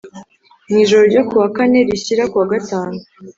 mu ijoro ryo kuwa kane rishyira kuwa gatantu